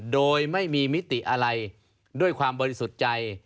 โดยไม่มีมิติอะไรด้วยความบริสุทธิ์ใจ